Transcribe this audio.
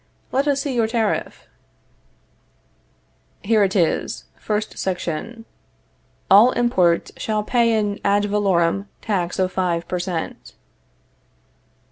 Let us see your tariff. Here it is: Section First. All imports shall pay an ad valorem tax of five per cent.